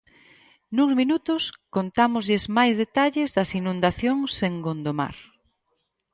Nuns minutos contámoslles máis detalles das inundacións en Gondomar.